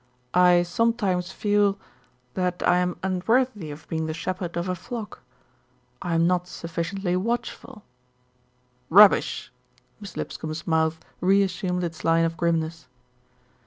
"I sometimes feel that I am unworthy of being the shepherd of a flock. I am not sufficiently watchful " "Rubbish!" Miss Lipscombe's mouth re assumed its line of grimness.